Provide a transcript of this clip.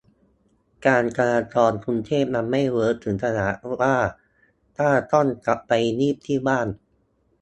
การจราจรกรุงเทพมันไม่เวิร์คถึงขนาดว่าถ้าต้องกลับไปงีบที่บ้าน